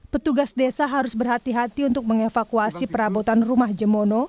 petugas desa harus berhati hati untuk mengevakuasi perabotan rumah jemono